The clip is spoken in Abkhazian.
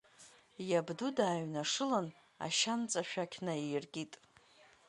Иабду дааҩнашылан, ашьанҵа шәақь наииркит.